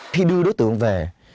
khi đưa đối tượng về